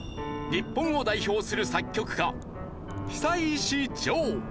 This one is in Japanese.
日本を代表する作曲家久石譲。